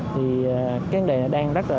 thì cái vấn đề này đang rất là